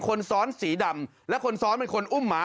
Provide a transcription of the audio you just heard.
คนซ้อนสีดำและคนซ้อนเป็นคนอุ้มหมา